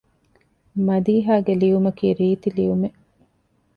މަދީޙާގެ ލިޔުމަކީ ރީތި ލިޔުމެއް